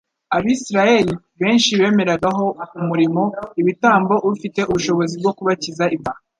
Abisiraeli benshi bemeraga ho umurimo «ibitambo ufite ubushobozi bwo kubakiza ibyaha.